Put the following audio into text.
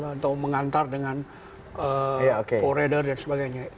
atau mengantar dengan foreder dan sebagainya